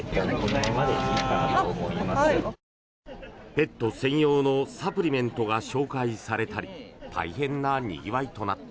ペット専用のサプリメントが紹介されたり大変なにぎわいとなった。